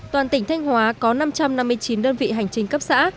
toàn tỉnh thanh hóa có năm trăm năm mươi chín đơn vị hành chính cấp xã